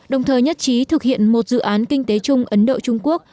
đồng thời nhất trí thực hiện một dự án kinh tế chung ấn độ trung quốc